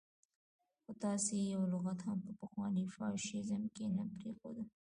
خو تاسو يې يو لغت هم په پخواني فاشيزم کې نه پرېږدئ.